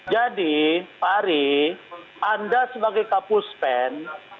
jadi pak ari anda sebagai kapuspen